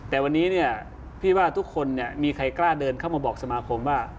แต่วันนี้เนี่ยพี่ว่าทุกคนมีใครกล้าเดินเข้ามาบอกสมาคมว่า